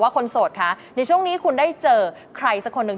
คนโสดคะในช่วงนี้คุณได้เจอใครสักคนหนึ่ง